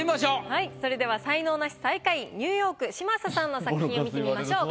はいそれでは才能ナシ最下位ニューヨーク嶋佐さんの作品を見てみましょう。